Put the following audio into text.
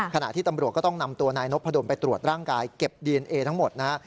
ขณะที่ตำรวจก็ต้องนำตัวนายนพดลไปตรวจร่างกายเก็บดีเอนเอทั้งหมดนะฮะ